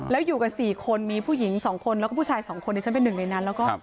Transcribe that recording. แล้วอยู่กัน๔คนมีผู้หญิง๒คนแล้วก็ผู้ชายสองคนที่ฉันเป็นหนึ่งในนั้นแล้วก็